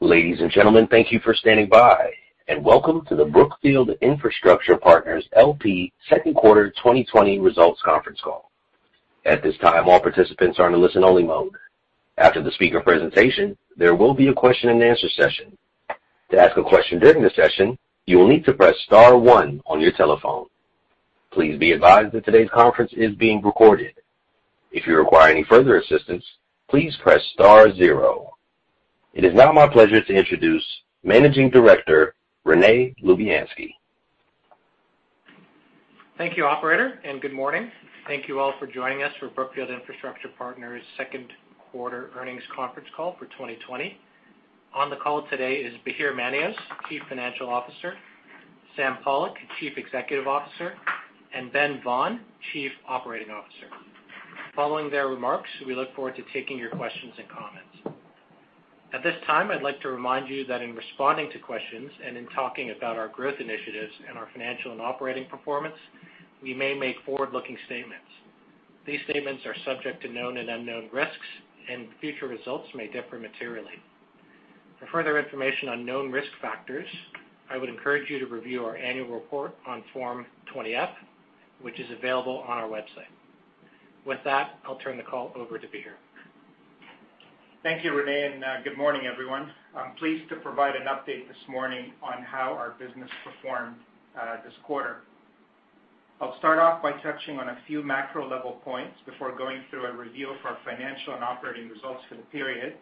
Ladies and gentlemen, thank you for standing by, and welcome to the Brookfield Infrastructure Partners L.P. Second Quarter 2020 Results Conference Call. At this time, all participants are in listen-only mode. After the speaker presentation, there will be a question and answer session. To ask a question during the session, you will need to press star one on your telephone. Please be advised that today's conference is being recorded. If you require any further assistance, please press star zero. It is now my pleasure to introduce Managing Director Rene Lubianski. Thank you, operator, good morning. Thank you all for joining us for Brookfield Infrastructure Partners' second quarter earnings conference call for 2020. On the call today is Bahir Manios, Chief Financial Officer, Sam Pollock, Chief Executive Officer, and Ben Vaughan, Chief Operating Officer. Following their remarks, we look forward to taking your questions and comments. At this time, I'd like to remind you that in responding to questions and in talking about our growth initiatives and our financial and operating performance, we may make forward-looking statements. These statements are subject to known and unknown risks, and future results may differ materially. For further information on known risk factors, I would encourage you to review our annual report on Form 20-F, which is available on our website. With that, I'll turn the call over to Bahir. Thank you, Rene, and good morning, everyone. I'm pleased to provide an update this morning on how our business performed this quarter. I'll start off by touching on a few macro-level points before going through a review of our financial and operating results for the period,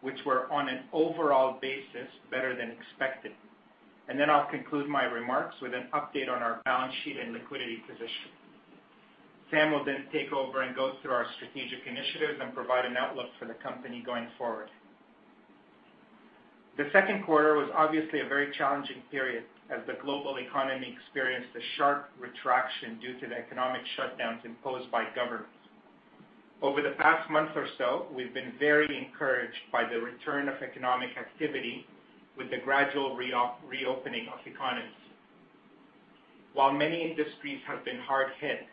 which were on an overall basis better than expected, and then I'll conclude my remarks with an update on our balance sheet and liquidity position. Sam will then take over and go through our strategic initiatives and provide an outlook for the company going forward. The second quarter was obviously a very challenging period as the global economy experienced a sharp retraction due to the economic shutdowns imposed by governments. Over the past month or so, we've been very encouraged by the return of economic activity with the gradual reopening of economies. While many industries have been hard hit,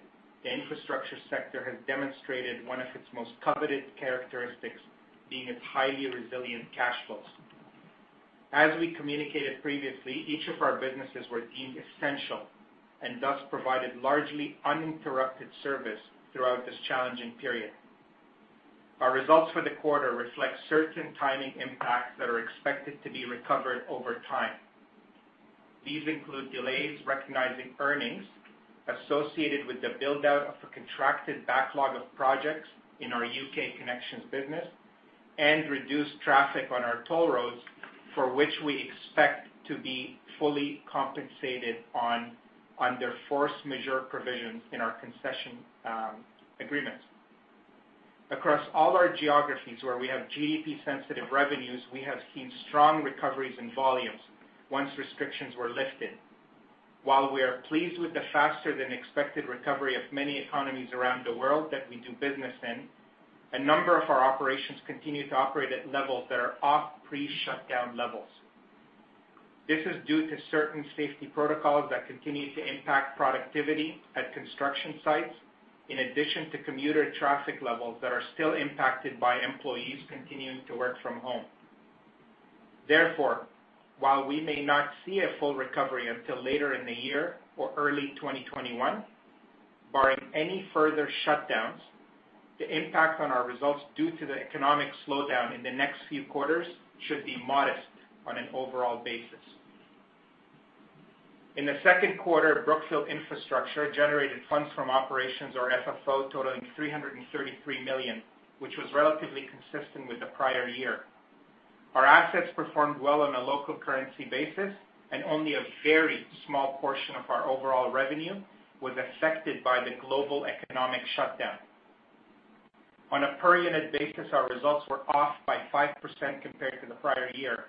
the infrastructure sector has demonstrated one of its most coveted characteristics, being its highly resilient cash flows. As we communicated previously, each of our businesses were deemed essential, and thus provided largely uninterrupted service throughout this challenging period. Our results for the quarter reflect certain timing impacts that are expected to be recovered over time. These include delays recognizing earnings associated with the build-out of a contracted backlog of projects in our U.K. Connections business and reduced traffic on our toll roads, for which we expect to be fully compensated on their force majeure provisions in our concession agreements. Across all our geographies where we have GDP-sensitive revenues, we have seen strong recoveries in volumes once restrictions were lifted. While we are pleased with the faster than expected recovery of many economies around the world that we do business in, a number of our operations continue to operate at levels that are off pre-shutdown levels. This is due to certain safety protocols that continue to impact productivity at construction sites, in addition to commuter traffic levels that are still impacted by employees continuing to work from home. Therefore, while we may not see a full recovery until later in the year or early 2021, barring any further shutdowns, the impact on our results due to the economic slowdown in the next few quarters should be modest on an overall basis. In the second quarter, Brookfield Infrastructure generated funds from operations or FFO totaling $333 million, which was relatively consistent with the prior year. Our assets performed well on a local currency basis, and only a very small portion of our overall revenue was affected by the global economic shutdown. On a per unit basis, our results were off by 5% compared to the prior year.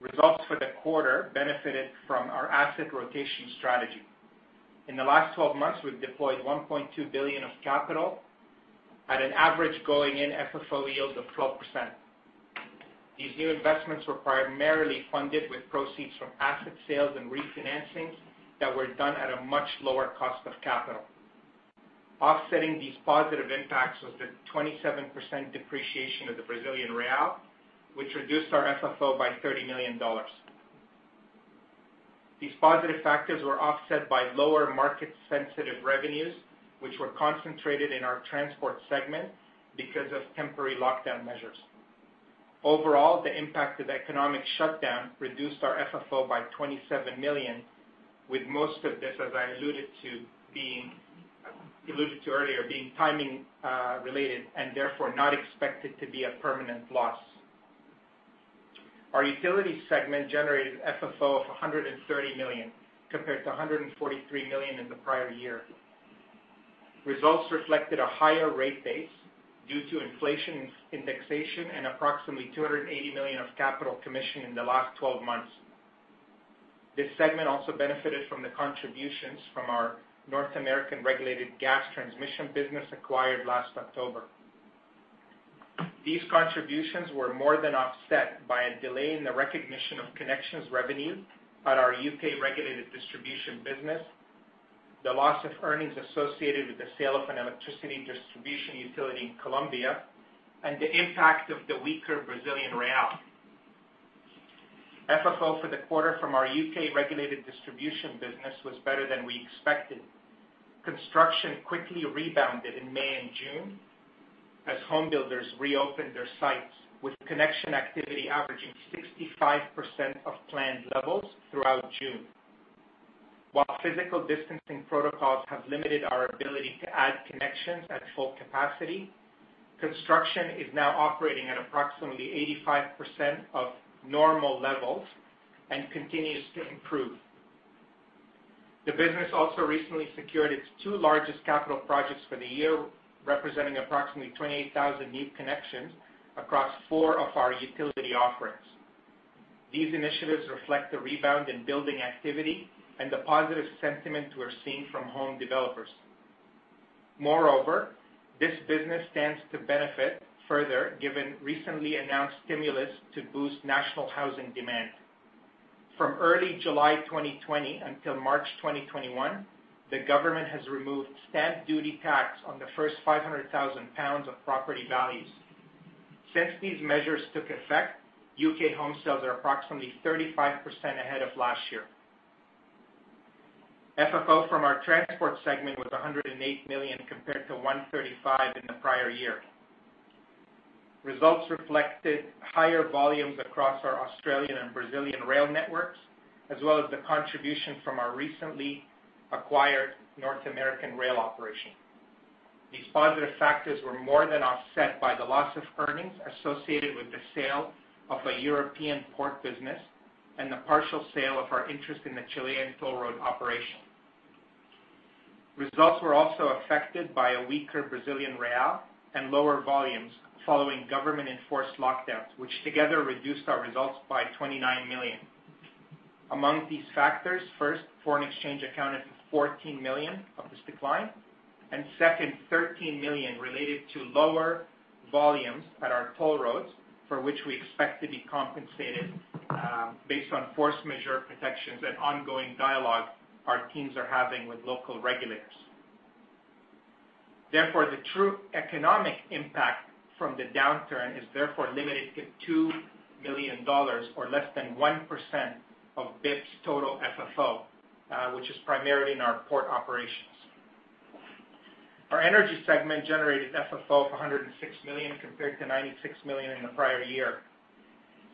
Results for the quarter benefited from our asset rotation strategy. In the last 12 months, we've deployed $1.2 billion of capital at an average going in FFO yield of 12%. These new investments were primarily funded with proceeds from asset sales and refinancings that were done at a much lower cost of capital. Offsetting these positive impacts was the 27% depreciation of the Brazilian real, which reduced our FFO by $30 million. These positive factors were offset by lower market-sensitive revenues, which were concentrated in our transport segment because of temporary lockdown measures. Overall, the impact of economic shutdown reduced our FFO by $27 million, with most of this, as I alluded to earlier, being timing related and therefore not expected to be a permanent loss. Our utility segment generated FFO of $130 million, compared to $143 million in the prior year. Results reflected a higher rate base due to inflation indexation and approximately $280 million of capital commissioned in the last 12 months. This segment also benefited from the contributions from our North American regulated gas transmission business acquired last October. These contributions were more than offset by a delay in the recognition of connections revenue at our U.K. regulated distribution business. The loss of earnings associated with the sale of an electricity distribution utility in Colombia, and the impact of the weaker Brazilian real. FFO for the quarter from our U.K. regulated distribution business was better than we expected. Construction quickly rebounded in May and June as home builders reopened their sites, with connection activity averaging 65% of planned levels throughout June. While physical distancing protocols have limited our ability to add connections at full capacity, construction is now operating at approximately 85% of normal levels and continues to improve. The business also recently secured its two largest capital projects for the year, representing approximately 28,000 new connections across four of our utility offerings. These initiatives reflect the rebound in building activity and the positive sentiment we're seeing from home developers. Moreover, this business stands to benefit further given recently announced stimulus to boost national housing demand. From early July 2020 until March 2021, the government has removed stamp duty tax on the first 500,000 pounds of property values. Since these measures took effect, U.K. home sales are approximately 35% ahead of last year. FFO from our transport segment was $108 million compared to $135 million in the prior year. Results reflected higher volumes across our Australian and Brazilian rail networks, as well as the contribution from our recently acquired North American rail operation. These positive factors were more than offset by the loss of earnings associated with the sale of a European port business and the partial sale of our interest in the Chilean toll road operation. Results were also affected by a weaker Brazilian real and lower volumes following government-enforced lockdowns, which together reduced our results by $29 million. Among these factors, first, foreign exchange accounted for $14 million of this decline, and second, $13 million related to lower volumes at our toll roads, for which we expect to be compensated, based on force majeure protections and ongoing dialogue our teams are having with local regulators. Therefore, the true economic impact from the downturn is therefore limited to $2 million, or less than 1%, of BIP's total FFO, which is primarily in our port operations. Our energy segment generated FFO of $106 million compared to $96 million in the prior year.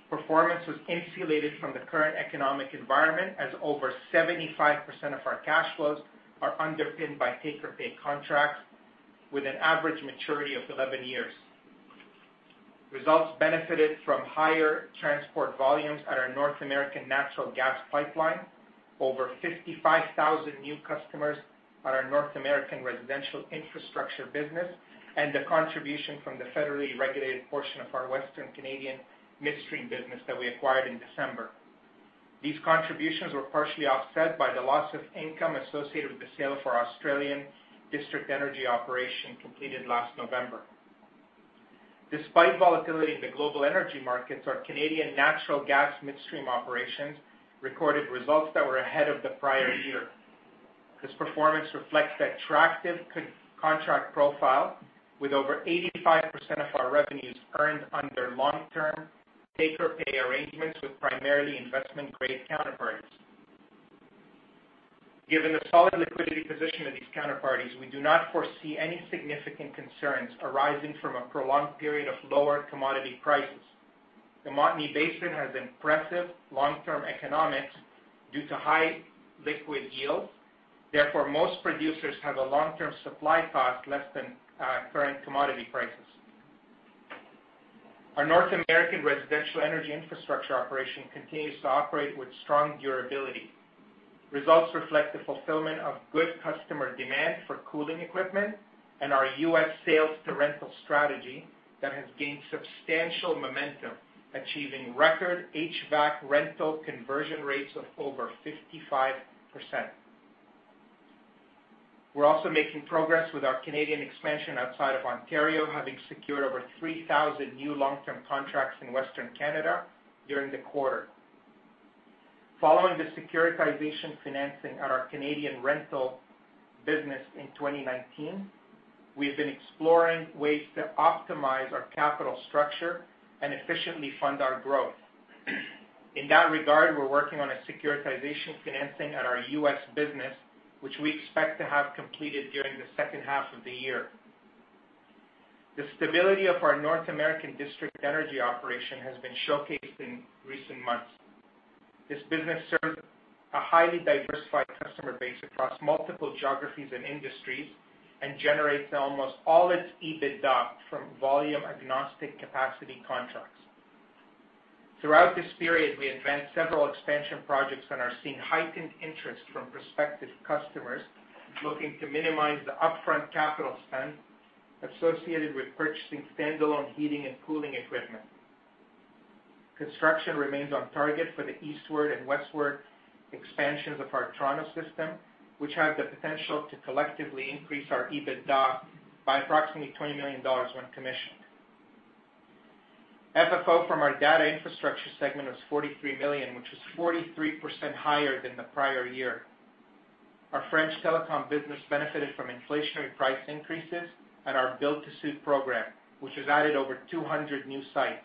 Performance was insulated from the current economic environment, as over 75% of our cash flows are underpinned by take-or-pay contracts with an average maturity of 11 years. Results benefited from higher transport volumes at our North American natural gas pipeline, over 55,000 new customers at our North American residential infrastructure business, and the contribution from the federally regulated portion of our Western Canadian midstream business that we acquired in December. These contributions were partially offset by the loss of income associated with the sale of our Australian district energy operation completed last November. Despite volatility in the global energy markets, our Canadian natural gas midstream operations recorded results that were ahead of the prior year. This performance reflects the attractive contract profile with over 85% of our revenues earned under long-term take-or-pay arrangements with primarily investment-grade counterparties. Given the solid liquidity position of these counterparties, we do not foresee any significant concerns arising from a prolonged period of lower commodity prices. The Montney Basin has impressive long-term economics due to high liquid yields. Therefore, most producers have a long-term supply cost less than current commodity prices. Our North American residential energy infrastructure operation continues to operate with strong durability. Results reflect the fulfillment of good customer demand for cooling equipment and our U.S. sales to rental strategy that has gained substantial momentum, achieving record HVAC rental conversion rates of over 55%. We're also making progress with our Canadian expansion outside of Ontario, having secured over 3,000 new long-term contracts in Western Canada during the quarter. Following the securitization financing at our Canadian rental business in 2019, we have been exploring ways to optimize our capital structure and efficiently fund our growth. In that regard, we're working on a securitization financing at our U.S. business, which we expect to have completed during the second half of the year. The stability of our North American district energy operation has been showcased in recent months. This business serves a highly diversified customer base across multiple geographies and industries and generates almost all its EBITDA from volume-agnostic capacity contracts. Throughout this period, we advanced several expansion projects and are seeing heightened interest from prospective customers looking to minimize the upfront capital spend associated with purchasing standalone heating and cooling equipment. Construction remains on target for the eastward and westward expansions of our Toronto system, which have the potential to collectively increase our EBITDA by approximately $20 million when commissioned. FFO from our data infrastructure segment was $43 million, which was 43% higher than the prior year. Our French telecom business benefited from inflationary price increases and our build-to-suit program, which has added over 200 new sites.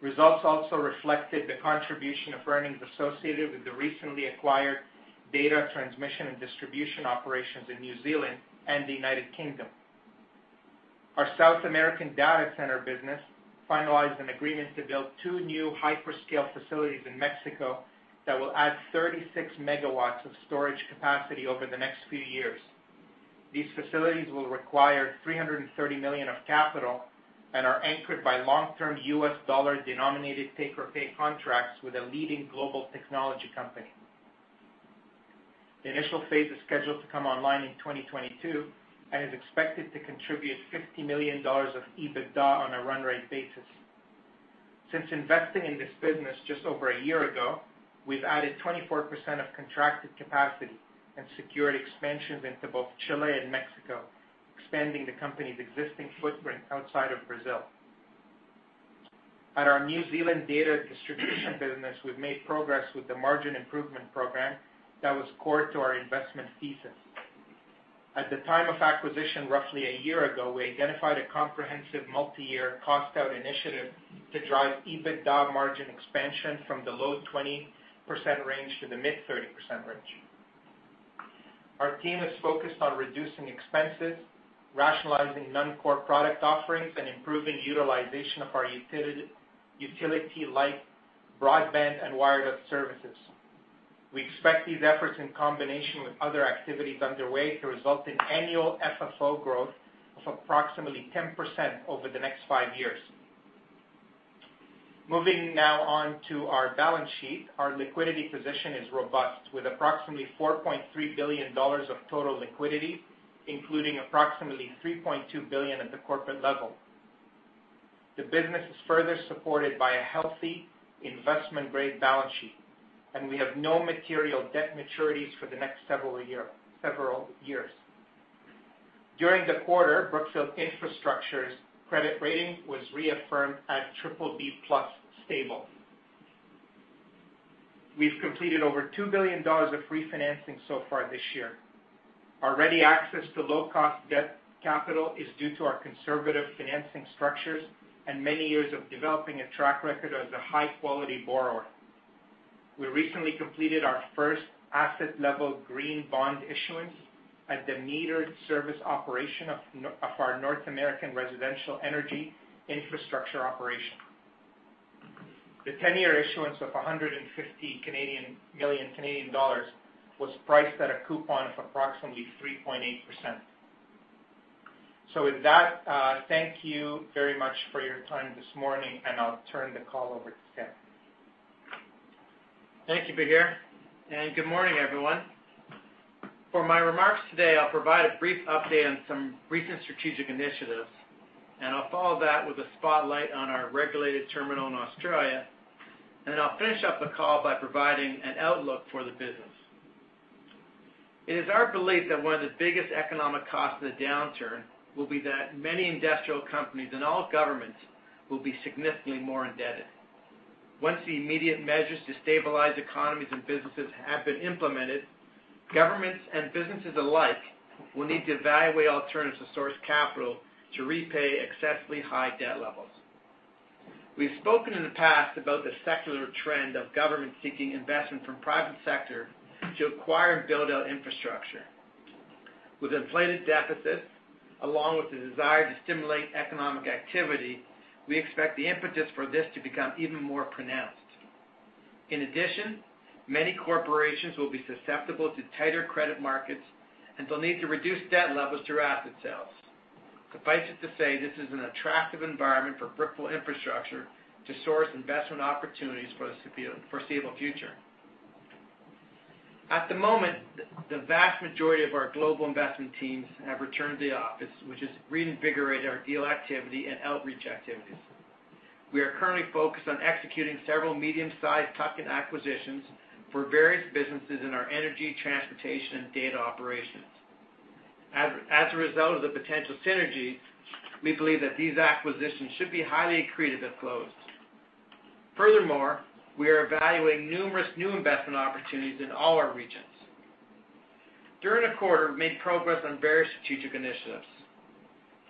Results also reflected the contribution of earnings associated with the recently acquired data transmission and distribution operations in New Zealand and the U.K. Our South American data center business finalized an agreement to build two new hyperscale facilities in Mexico that will add 36 MW of storage capacity over the next few years. These facilities will require $330 million of capital and are anchored by long-term U.S. dollar-denominated take-or-pay contracts with a leading global technology company. The initial phase is scheduled to come online in 2022 and is expected to contribute $50 million of EBITDA on a run-rate basis. Since investing in this business just over one year ago, we've added 24% of contracted capacity and secured expansions into both Chile and Mexico, expanding the company's existing footprint outside of Brazil. At our New Zealand data distribution business, we've made progress with the margin improvement program that was core to our investment thesis. At the time of acquisition, roughly one year ago, we identified a comprehensive multiyear cost-out initiative to drive EBITDA margin expansion from the low 20% range to the mid-30% range. Our team is focused on reducing expenses, rationalizing non-core product offerings, and improving utilization of our utility-like broadband and wired up services. We expect these efforts, in combination with other activities underway, to result in annual FFO growth of approximately 10% over the next five years. Moving now on to our balance sheet. Our liquidity position is robust, with approximately $4.3 billion of total liquidity, including approximately $3.2 billion at the corporate level. The business is further supported by a healthy investment-grade balance sheet, and we have no material debt maturities for the next several years. During the quarter, Brookfield Infrastructure's credit rating was reaffirmed at BBB+ stable. We've completed over $2 billion of refinancing so far this year. Our ready access to low-cost debt capital is due to our conservative financing structures and many years of developing a track record as a high-quality borrower. We recently completed our first asset-level green bond issuance at the metered service operation of our North American residential energy infrastructure operation. The 10-year issuance of 150 million Canadian dollars was priced at a coupon of approximately 3.8%. With that, thank you very much for your time this morning, and I'll turn the call over to Sam. Thank you, Bahir, and good morning, everyone. For my remarks today, I'll provide a brief update on some recent strategic initiatives, I'll follow that with a spotlight on our regulated terminal in Australia. I'll finish up the call by providing an outlook for the business. It is our belief that one of the biggest economic costs of the downturn will be that many industrial companies and all governments will be significantly more indebted. Once the immediate measures to stabilize economies and businesses have been implemented, governments and businesses alike will need to evaluate alternatives to source capital to repay excessively high debt levels. We've spoken in the past about the secular trend of governments seeking investment from private sector to acquire and build out infrastructure. With inflated deficits, along with the desire to stimulate economic activity, we expect the impetus for this to become even more pronounced. In addition, many corporations will be susceptible to tighter credit markets and they'll need to reduce debt levels through asset sales. Suffice it to say, this is an attractive environment for Brookfield Infrastructure to source investment opportunities for the foreseeable future. At the moment, the vast majority of our global investment teams have returned to the office, which has reinvigorated our deal activity and outreach activities. We are currently focused on executing several medium-sized tuck-in acquisitions for various businesses in our energy, transportation, and data operations. As a result of the potential synergies, we believe that these acquisitions should be highly accretive if closed. We are evaluating numerous new investment opportunities in all our regions. During the quarter, we made progress on various strategic initiatives.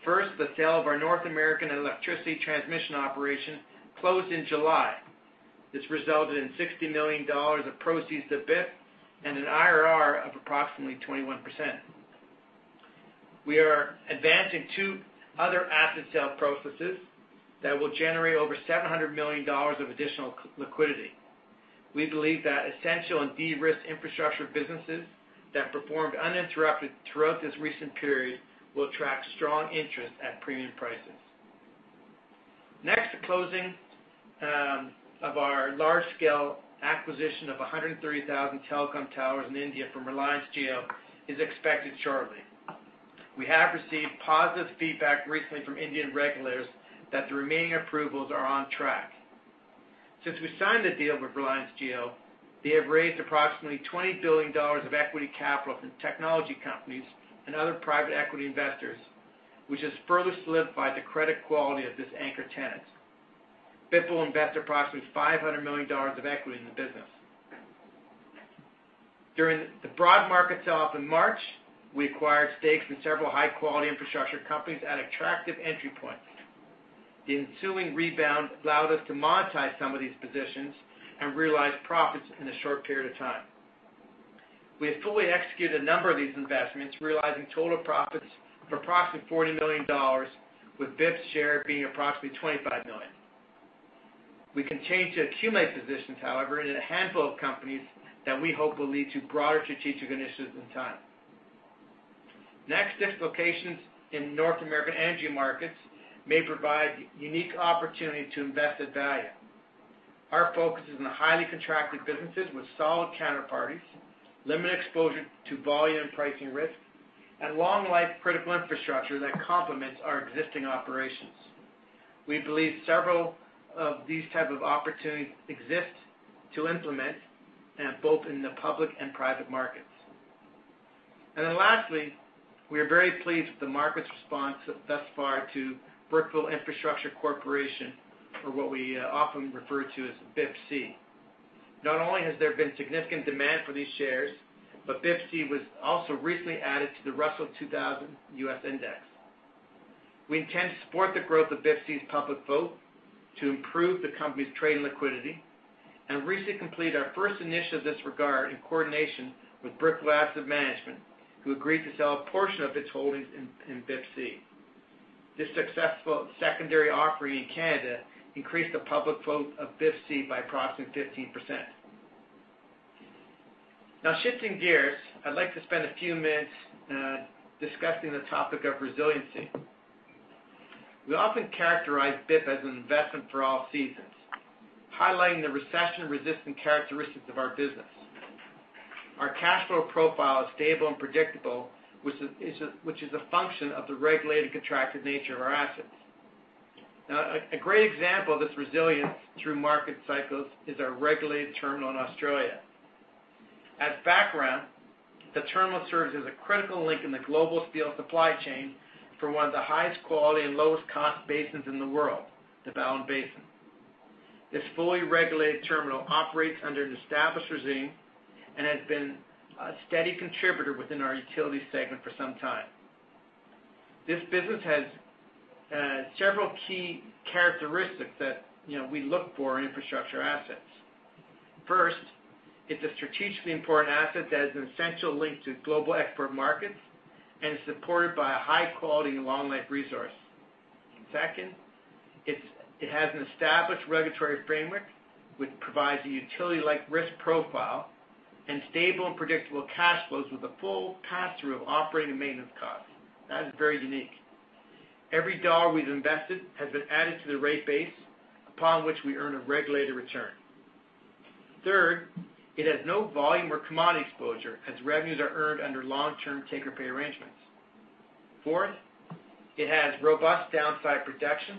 First, the sale of our North American electricity transmission operation closed in July. This resulted in $60 million of proceeds to BIP and an IRR of approximately 21%. We are advancing two other asset sale processes that will generate over $700 million of additional liquidity. We believe that essential and de-risked infrastructure businesses that performed uninterrupted throughout this recent period will attract strong interest at premium prices. The closing of our large-scale acquisition of 130,000 telecom towers in India from Reliance Jio is expected shortly. We have received positive feedback recently from Indian regulators that the remaining approvals are on track. Since we signed the deal with Reliance Jio, they have raised approximately $20 billion of equity capital from technology companies and other private equity investors, which has further solidified the credit quality of this anchor tenant. BIP will invest approximately $500 million of equity in the business. During the broad market sell-off in March, we acquired stakes in several high-quality infrastructure companies at attractive entry points. The ensuing rebound allowed us to monetize some of these positions and realize profits in a short period of time. We have fully executed a number of these investments, realizing total profits of approximately $40 million, with BIP's share being approximately $25 million. We continue to accumulate positions, however, in a handful of companies that we hope will lead to broader strategic initiatives in time. Dislocations in North American energy markets may provide unique opportunity to invest at value. Our focus is on the highly contracted businesses with solid counterparties, limited exposure to volume pricing risk, and long-life critical infrastructure that complements our existing operations. We believe several of these types of opportunities exist to implement, both in the public and private markets. Lastly, we are very pleased with the market's response thus far to Brookfield Infrastructure Corporation, or what we often refer to as BIPC. Not only has there been significant demand for these shares, but BIPC was also recently added to the Russell 2000 U.S. Index. We intend to support the growth of BIPC's public float to improve the company's trade and liquidity, and recently completed our first initiative in this regard in coordination with Brookfield Asset Management, who agreed to sell a portion of its holdings in BIPC. This successful secondary offering in Canada increased the public float of BIPC by approximately 15%. Shifting gears, I'd like to spend a few minutes discussing the topic of resiliency. We often characterize BIP as an investment for all seasons, highlighting the recession-resistant characteristics of our business. Our cash flow profile is stable and predictable, which is a function of the regulated contracted nature of our assets. A great example of this resilience through market cycles is our regulated terminal in Australia. As background, the terminal serves as a critical link in the global steel supply chain for one of the highest quality and lowest cost basins in the world, the Pilbara Basin. This fully regulated terminal operates under an established regime and has been a steady contributor within our utility segment for some time. This business has several key characteristics that we look for in infrastructure assets. First, it's a strategically important asset that is an essential link to global export markets and supported by a high-quality and long-life resource. Second, it has an established regulatory framework, which provides a utility-like risk profile and stable and predictable cash flows with a full pass-through of operating and maintenance costs. That is very unique. Every dollar we've invested has been added to the rate base upon which we earn a regulated return. Third, it has no volume or commodity exposure, as revenues are earned under long-term take-or-pay arrangements. Fourth, it has robust downside protection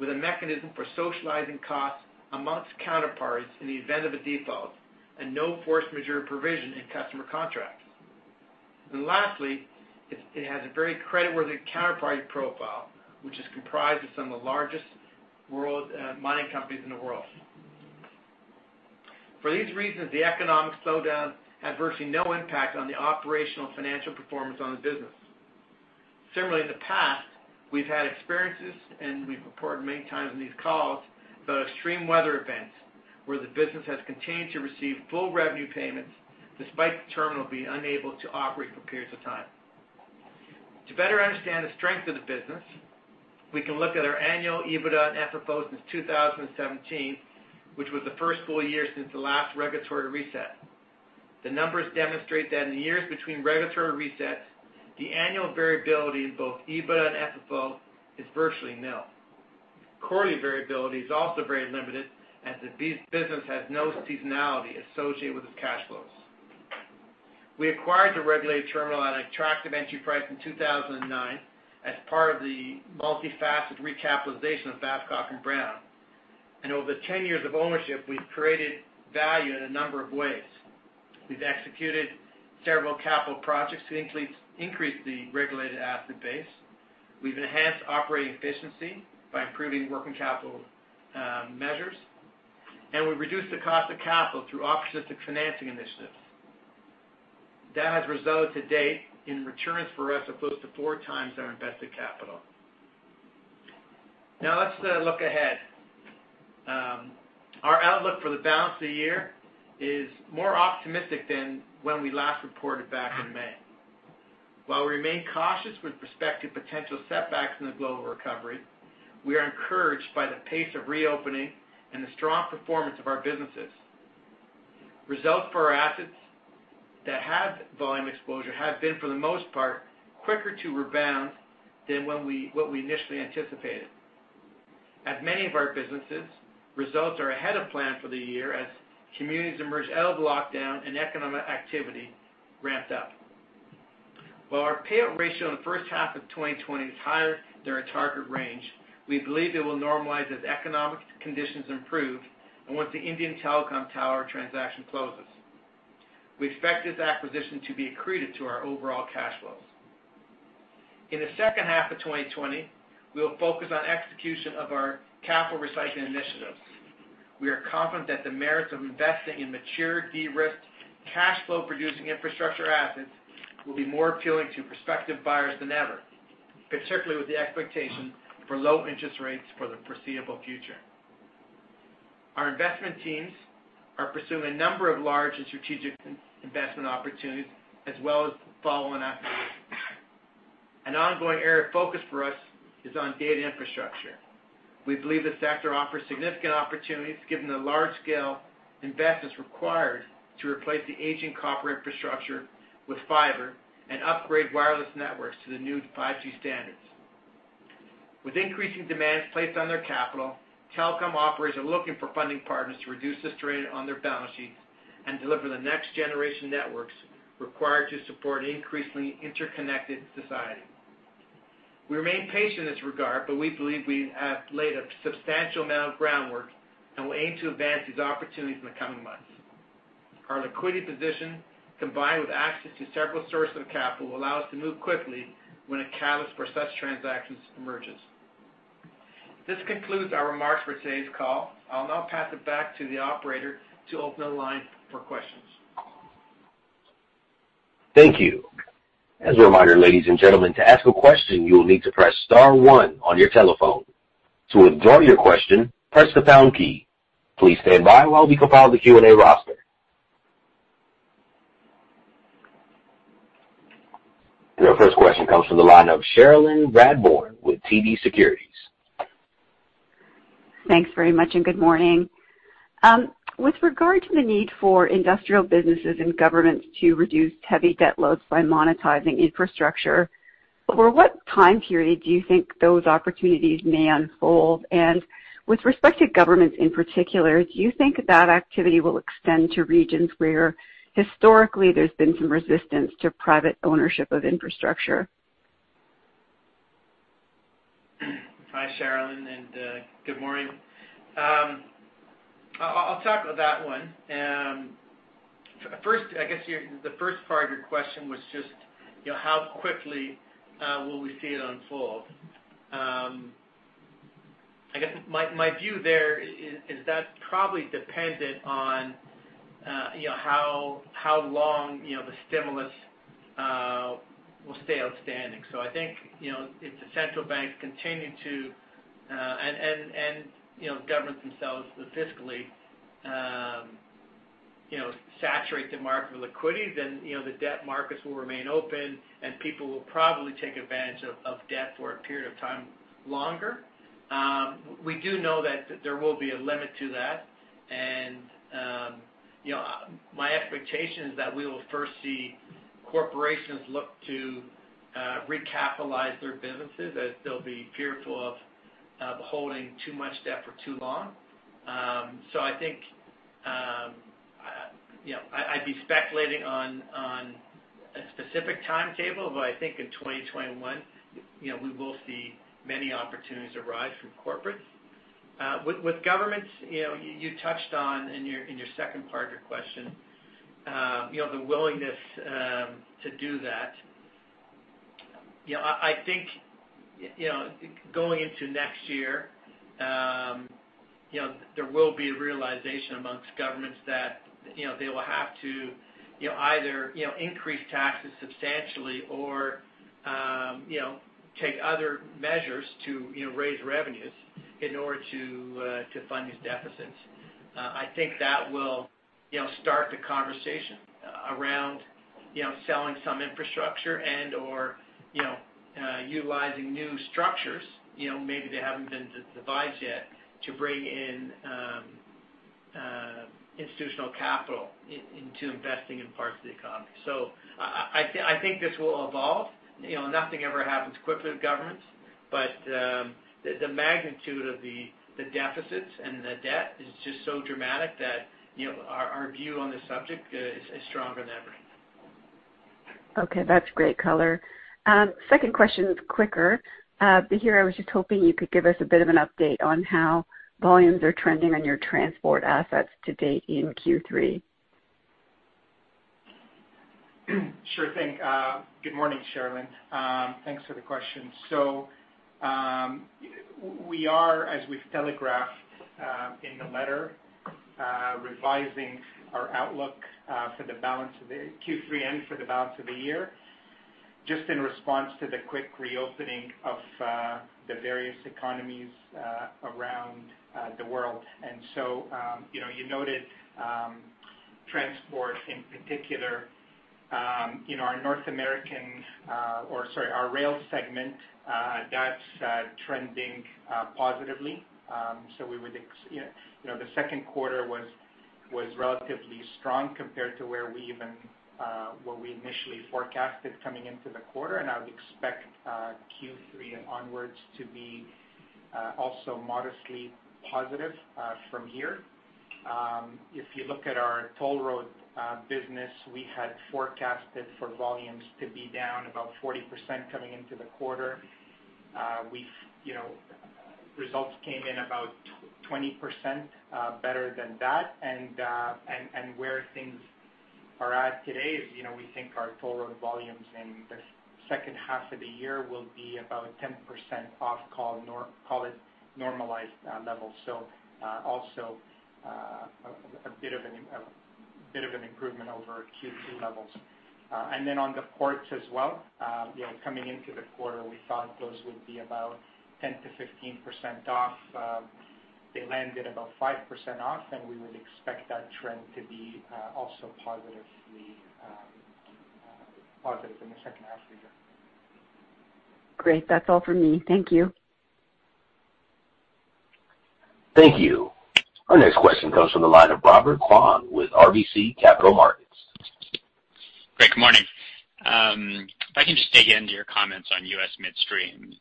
with a mechanism for socializing costs amongst counterparties in the event of a default and no force majeure provision in customer contracts. Lastly, it has a very creditworthy counterparty profile, which is comprised of some of the largest mining companies in the world. For these reasons, the economic slowdown had virtually no impact on the operational financial performance on the business. Similarly, in the past, we've had experiences, and we've reported many times on these calls about extreme weather events where the business has continued to receive full revenue payments despite the terminal being unable to operate for periods of time. To better understand the strength of the business, we can look at our annual EBITDA and FFO since 2017, which was the first full year since the last regulatory reset. The numbers demonstrate that in the years between regulatory resets, the annual variability in both EBITDA and FFO is virtually nil. Quarterly variability is also very limited, as the business has no seasonality associated with its cash flows. We acquired the regulated terminal at an attractive entry price in 2009 as part of the multifaceted recapitalization of Babcock & Brown. Over the 10 years of ownership, we've created value in a number of ways. We've executed several capital projects to increase the regulated asset base. We've enhanced operating efficiency by improving working capital measures. We've reduced the cost of capital through opportunistic financing initiatives. That has resulted to date in returns for us of close to four times our invested capital. Now let's look ahead. Our outlook for the balance of the year is more optimistic than when we last reported back in May. While we remain cautious with respect to potential setbacks in the global recovery, we are encouraged by the pace of reopening and the strong performance of our businesses. Results for our assets that have volume exposure have been, for the most part, quicker to rebound than what we initially anticipated. As many of our businesses, results are ahead of plan for the year as communities emerge out of lockdown and economic activity ramps up. While our payout ratio in the first half of 2020 is higher than our target range, we believe it will normalize as economic conditions improve and once the Indian telecom tower transaction closes. We expect this acquisition to be accretive to our overall cash flows. In the second half of 2020, we will focus on execution of our capital recycling initiatives. We are confident that the merits of investing in mature, de-risked, cash flow producing infrastructure assets will be more appealing to prospective buyers than ever, particularly with the expectation for low interest rates for the foreseeable future. Our investment teams are pursuing a number of large and strategic investment opportunities, as well as follow-on acquisitions. An ongoing area of focus for us is on data infrastructure. We believe the sector offers significant opportunities given the large-scale investments required to replace the aging copper infrastructure with fiber and upgrade wireless networks to the new 5G standards. With increasing demands placed on their capital, telecom operators are looking for funding partners to reduce the strain on their balance sheets and deliver the next-generation networks required to support an increasingly interconnected society. We remain patient in this regard, but we believe we have laid a substantial amount of groundwork and will aim to advance these opportunities in the coming months. Our liquidity position, combined with access to several sources of capital, will allow us to move quickly when a catalyst for such transactions emerges. This concludes our remarks for today's call. I'll now pass it back to the operator to open the line for questions. Thank you. As a reminder, ladies and gentlemen, to ask a question, you will need to press star one on your telephone. To withdraw your question, press the pound key. Please stand by while we compile the Q&A roster. Your first question comes from the line of Cherilyn Radbourne with TD Securities. Thanks very much, good morning. With regard to the need for industrial businesses and governments to reduce heavy debt loads by monetizing infrastructure, over what time period do you think those opportunities may unfold? With respect to governments in particular, do you think that activity will extend to regions where historically there's been some resistance to private ownership of infrastructure? Hi, Cherilyn, and good morning. I'll tackle that one. I guess the first part of your question was just how quickly will we see it unfold. I guess my view there is that's probably dependent on how long the stimulus will stay outstanding. I think if the central banks continue to, and governments themselves fiscally saturate the market with liquidity, the debt markets will remain open, and people will probably take advantage of debt for a period of time longer. We do know that there will be a limit to that, and my expectation is that we will first see corporations look to recapitalize their businesses as they'll be fearful of holding too much debt for too long. I think I'd be speculating on a specific timetable, but I think in 2021, we will see many opportunities arise from corporates. With governments, you touched on in your second part of your question, the willingness to do that. I think going into next year, there will be a realization amongst governments that they will have to either increase taxes substantially or take other measures to raise revenues in order to fund these deficits. I think that will start the conversation around selling some infrastructure and/or utilizing new structures, maybe they haven't been devised yet, to bring in institutional capital into investing in parts of the economy. I think this will evolve. Nothing ever happens quickly with governments. The magnitude of the deficits and the debt is just so dramatic that our view on this subject is stronger than ever. Okay. That's great color. Second question is quicker. Here, I was just hoping you could give us a bit of an update on how volumes are trending on your transport assets to date in Q3. Sure thing. Good morning, Cherilyn. Thanks for the question. We are, as we've telegraphed in the letter, revising our outlook for the balance of Q3 and for the balance of the year just in response to the quick reopening of the various economies around the world. You noted transport in particular. Our rail segment, that's trending positively. The second quarter was relatively strong compared to what we initially forecasted coming into the quarter, and I would expect Q3 and onwards to be also modestly positive from here. If you look at our toll road business, we had forecasted for volumes to be down about 40% coming into the quarter. Results came in about 20% better than that, where things are at today is, we think our toll road volumes in the second half of the year will be about 10% off call it normalized levels. Also a bit of an improvement over Q2 levels. Then on the ports as well. Coming into the quarter, we thought those would be about 10%-15% off. They landed about 5% off and we would expect that trend to be also positively positive in the second half of the year. Great. That's all for me. Thank you. Thank you. Our next question comes from the line of Robert Kwan with RBC Capital Markets. Great. Good morning. If I can just dig into your comments on U.S. midstream.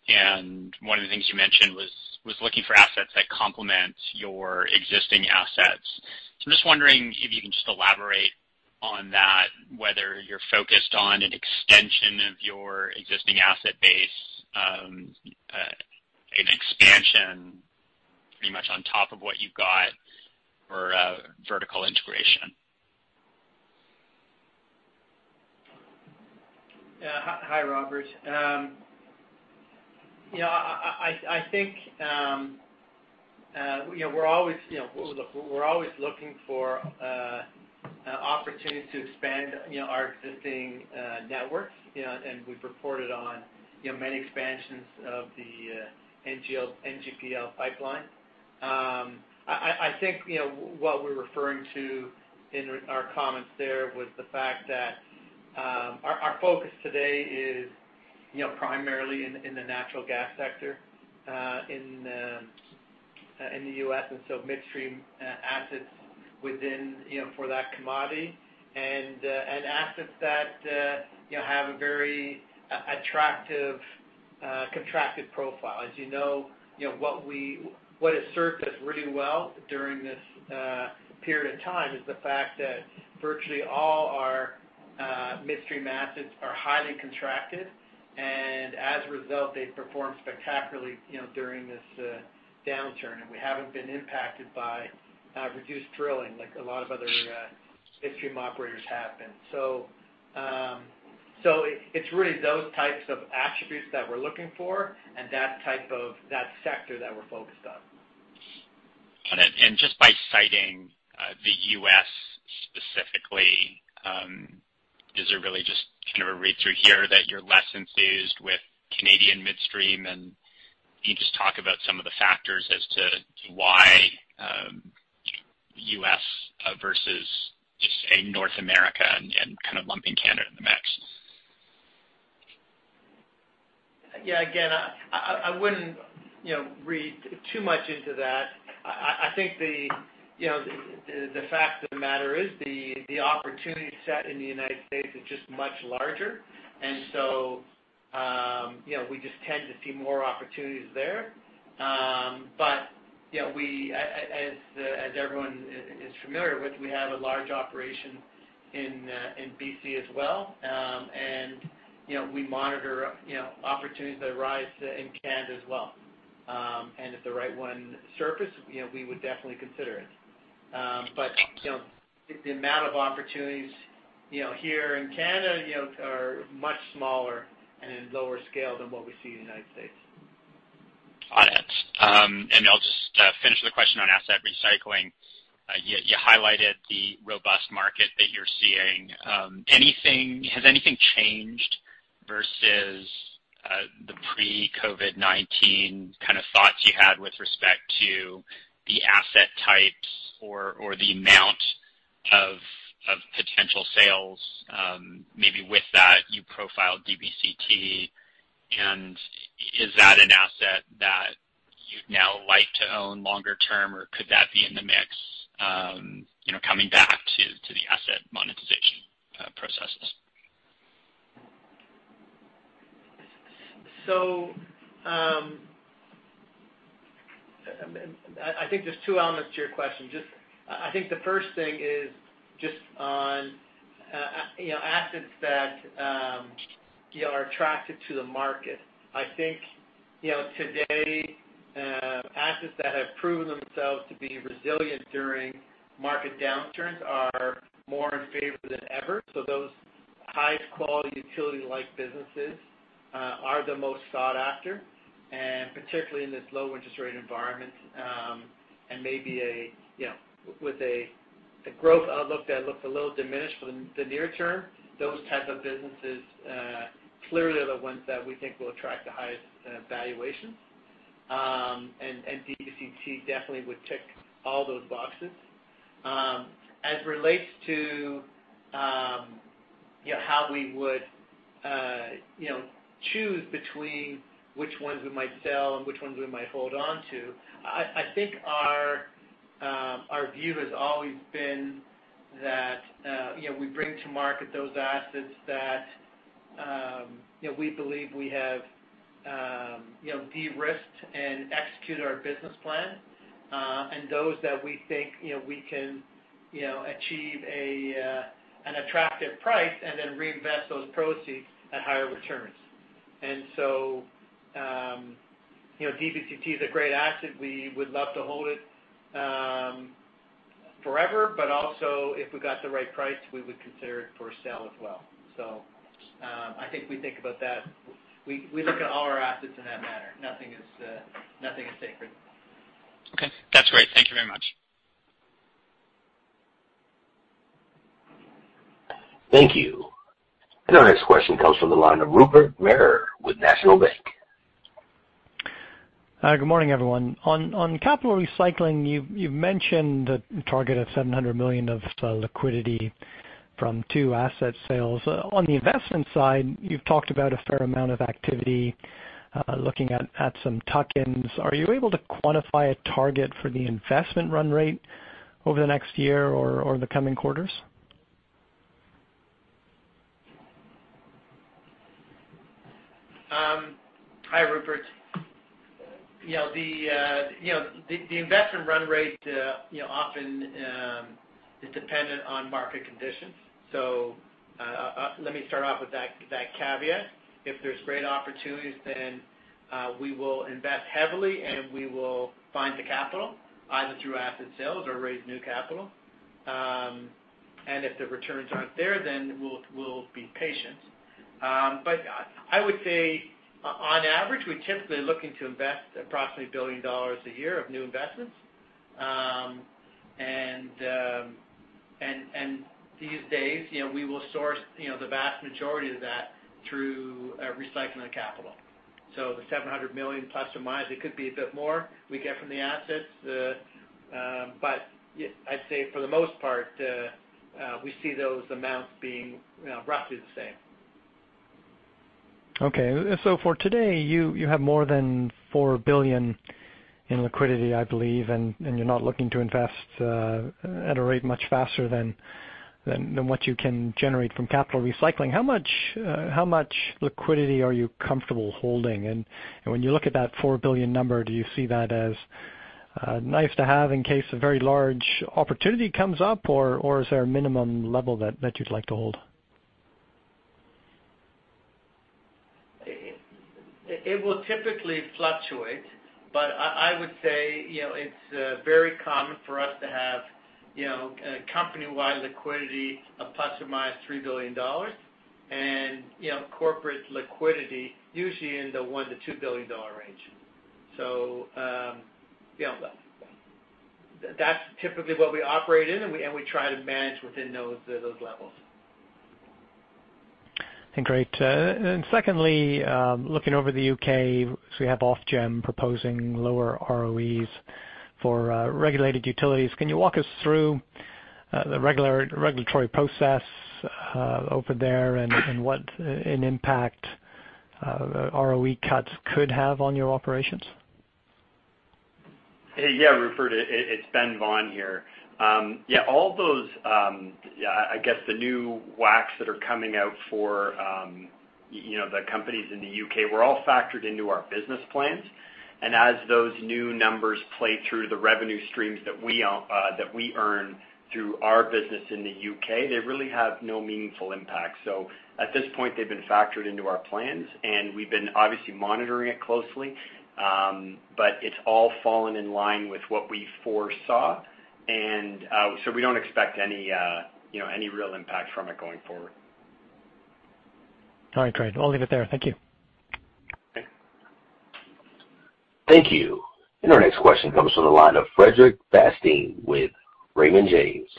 One of the things you mentioned was looking for assets that complement your existing assets. I'm just wondering if you can just elaborate on that, whether you're focused on an extension of your existing asset base, an expansion pretty much on top of what you've got, or vertical integration. Hi, Robert. I think we're always looking for opportunities to expand our existing networks. We've reported on many expansions of the NGPL pipeline. I think what we're referring to in our comments there was the fact that our focus today is primarily in the natural gas sector in the U.S., and so midstream assets within for that commodity and assets that have a very attractive contracted profile. As you know what has served us really well during this period of time is the fact that virtually all our midstream assets are highly contracted and as a result, they've performed spectacularly during this downturn. We haven't been impacted by reduced drilling like a lot of other midstream operators have been. It's really those types of attributes that we're looking for and that sector that we're focused on. Got it. Just by citing the U.S. specifically, is it really just kind of a read through here that you're less enthused with Canadian midstream? Can you just talk about some of the factors as to why U.S. versus just say, North America and kind of lumping Canada in the mix? Yeah. Again, I wouldn't read too much into that. I think the fact of the matter is the opportunity set in the U.S. is just much larger. We just tend to see more opportunities there. As everyone is familiar with, we have a large operation in B.C. as well. We monitor opportunities that arise in Canada as well. If the right one surfaced, we would definitely consider it. The amount of opportunities here in Canada are much smaller and lower scale than what we see in the U.S. Got it. I'll just finish the question on asset recycling. You highlighted the robust market that you're seeing. Has anything changed versus the pre-COVID-19 kind of thoughts you had with respect to the asset types or the amount of potential sales? Maybe with that you profiled DBCT and is that an asset that you'd now like to own longer term or could that be in the mix coming back to the asset monetization processes? I think there's two elements to your question. I think the first thing is just on assets that are attractive to the market. I think today, assets that have proven themselves to be resilient during market downturns are more in favor than ever. Those highest quality utility like businesses are the most sought after, and particularly in this low interest rate environment. Maybe with a growth outlook that looks a little diminished for the near term. Those type of businesses clearly are the ones that we think will attract the highest valuations. DBCT definitely would tick all those boxes. As it relates to how we would choose between which ones we might sell and which ones we might hold on to, I think our view has always been- We bring to market those assets that we believe we have de-risked and execute our business plan, and those that we think we can achieve an attractive price and then reinvest those proceeds at higher returns. DBCT is a great asset. We would love to hold it forever, but also, if we got the right price, we would consider it for sale as well. I think we think about that. We look at all our assets in that manner. Nothing is sacred. Okay. That's great. Thank you very much. Thank you. Our next question comes from the line of Rupert Merer with National Bank. Hi, good morning, everyone. On capital recycling, you've mentioned the target of $700 million of liquidity from two asset sales. On the investment side, you've talked about a fair amount of activity, looking at some tuck-ins. Are you able to quantify a target for the investment run rate over the next year or the coming quarters? Hi, Rupert. The investment run rate often is dependent on market conditions. Let me start off with that caveat. If there's great opportunities, then we will invest heavily, and we will find the capital either through asset sales or raise new capital. If the returns aren't there, then we'll be patient. I would say, on average, we're typically looking to invest approximately $1 billion a year of new investments. These days, we will source the vast majority of that through recycling the capital. The $700 million, plus or minus, it could be a bit more we get from the assets. I'd say for the most part, we see those amounts being roughly the same. For today, you have more than $4 billion in liquidity, I believe, and you're not looking to invest at a rate much faster than what you can generate from capital recycling. How much liquidity are you comfortable holding? When you look at that $4 billion number, do you see that as nice to have in case a very large opportunity comes up, or is there a minimum level that you'd like to hold? It will typically fluctuate, but I would say it's very common for us to have company-wide liquidity of ±$3 billion. Corporate liquidity usually in the $1 billion-$2 billion range. That's typically what we operate in, and we try to manage within those levels. Great. Secondly, looking over the U.K., we have Ofgem proposing lower ROEs for regulated utilities. Can you walk us through the regulatory process over there and what an impact ROE cuts could have on your operations? Rupert, it's Ben Vaughan here. All those, I guess the new WACC that are coming out for the companies in the U.K. were all factored into our business plans. As those new numbers play through the revenue streams that we earn through our business in the U.K., they really have no meaningful impact. At this point, they've been factored into our plans, and we've been obviously monitoring it closely. It's all fallen in line with what we foresaw. We don't expect any real impact from it going forward. All right, great. I'll leave it there. Thank you. Thank you. Our next question comes from the line of Frederic Bastien with Raymond James.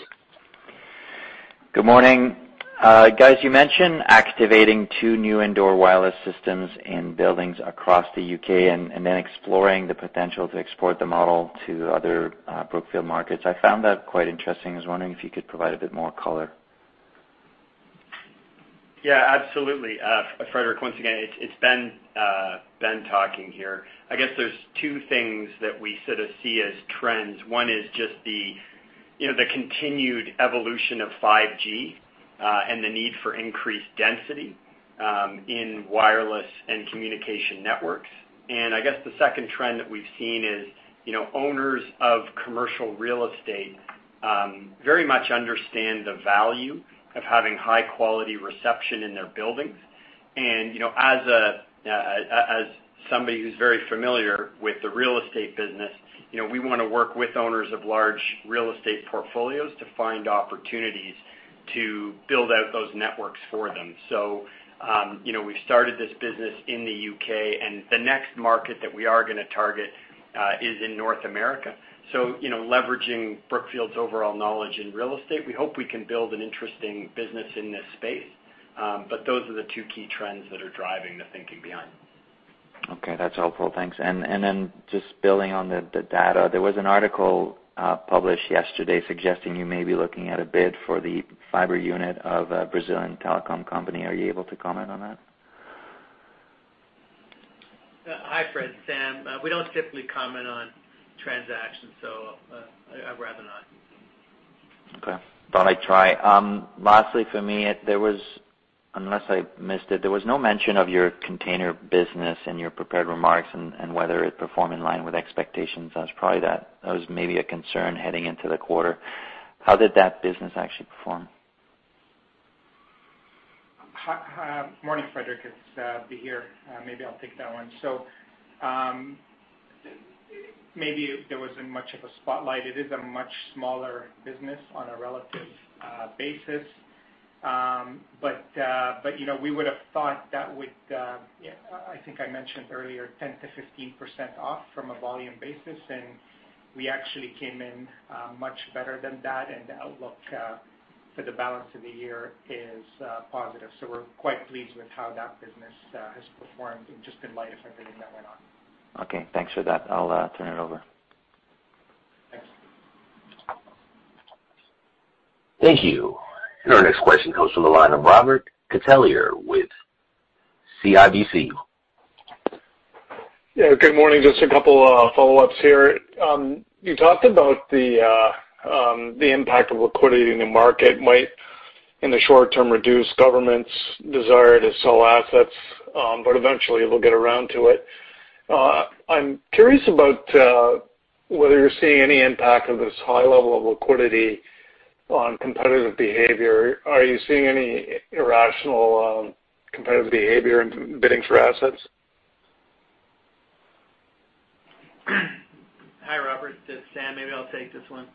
Good morning. Guys, you mentioned activating two new indoor wireless systems in buildings across the U.K. and then exploring the potential to export the model to other Brookfield markets. I found that quite interesting. I was wondering if you could provide a bit more color. Yeah, absolutely. Frederic, once again, it's Ben talking here. I guess there's two things that we sort of see as trends. One is just the continued evolution of 5G, and the need for increased density in wireless and communication networks. I guess the second trend that we've seen is owners of commercial real estate very much understand the value of having high-quality reception in their buildings. As somebody who's very familiar with the real estate business, we want to work with owners of large real estate portfolios to find opportunities to build out those networks for them. We've started this business in the U.K., and the next market that we are going to target is in North America. Leveraging Brookfield's overall knowledge in real estate, we hope we can build an interesting business in this space. Those are the two key trends that are driving the thinking behind. Okay, that's helpful. Thanks. Just building on the data, there was an article published yesterday suggesting you may be looking at a bid for the fiber unit of a Brazilian telecom company. Are you able to comment on that? Hi, Fred. Sam. We don't typically comment on transactions, so I'd rather not. Okay. Thought I'd try. Lastly, for me, unless I missed it, there was no mention of your container business in your prepared remarks and whether it performed in line with expectations. That was maybe a concern heading into the quarter. How did that business actually perform? Morning, Frederic. It's Bahir. Maybe I'll take that one. Maybe there wasn't much of a spotlight. It is a much smaller business on a relative basis. We would have thought that would, I think I mentioned earlier, 10%-15% off from a volume basis, and we actually came in much better than that, and the outlook for the balance of the year is positive. We're quite pleased with how that business has performed just in light of everything that went on. Okay. Thanks for that. I'll turn it over. Thank you. Our next question comes from the line of Robert Catellier with CIBC. Yeah, good morning. Just a couple of follow-ups here. You talked about the impact of liquidity in the market might, in the short term, reduce government's desire to sell assets, but eventually it'll get around to it. I'm curious about whether you're seeing any impact of this high level of liquidity on competitive behavior. Are you seeing any irrational competitive behavior in bidding for assets? Hi, Robert. It's Sam. Maybe I'll take this one.